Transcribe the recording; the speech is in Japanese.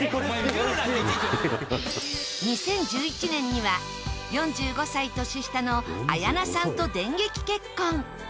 ２０１１年には、４５歳年下の綾菜さんと電撃結婚